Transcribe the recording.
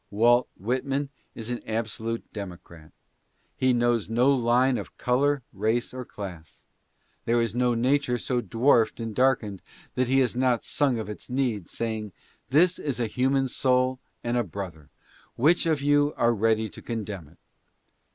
Walt Whitman is an absolute democrat. He knows no line of color, race or class. There is no nature so dwarfed and darkened, that he has not sung of its need, saying, "This is a human soul and a brother ; which of you are ready to condemn it?"